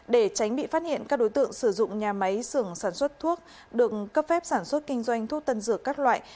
để tránh bị phát hiện các đối tượng sử dụng nhà máy sưởng sản xuất thuốc được cấp phép sản xuất kinh doanh thuốc tân dược các loại